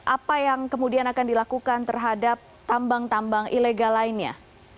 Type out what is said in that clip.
apa yang kemudian akan dilakukan terhadap tambang tambang ilegal lainnya